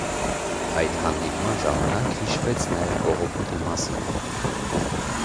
Այդ հանդիպման ժամանակ հիշվեց նաև կողոպուտի մասին։